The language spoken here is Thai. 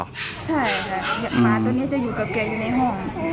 ใช่แบบนี้หมาจะอยู่กับแกอยู่ในห้อง